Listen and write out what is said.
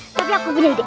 ah tapi aku bener deh